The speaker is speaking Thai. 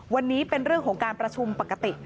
วันนี้เป็นเรื่องของการประชุมปกติ